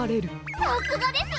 さすがです！